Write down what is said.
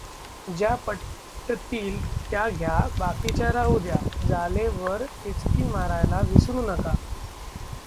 ज्या पटतील त्या घ्या बाकीच्या राहू द्या झाले वर टिचकी मारायला विसरू नका.